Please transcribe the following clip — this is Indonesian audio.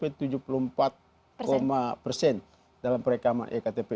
ini kan program nasional yang kita harus tuntaskan sampai dengan desember dua ribu delapan belas